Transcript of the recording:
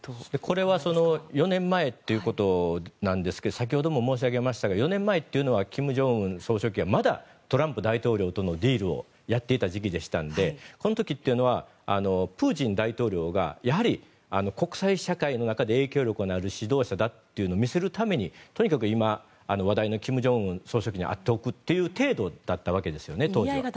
これは４年前ということなんですが先ほども申し上げましたが４年前というのは金正恩総書記がまだトランプ大統領とのディールをやっていた時期でしたのでこの時というのはプーチン大統領が国際社会の中で影響力のある指導者だと見せるために、とにかく今、話題の金正恩総書記に会っておくという程度だったわけですね、当時は。